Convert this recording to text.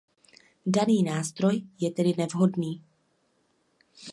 Daný nástroj je tedy nevhodný.